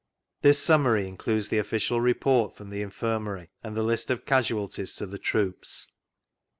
This summary includes the Offida] Report from the Infirmary, and the list of casualties to the troops.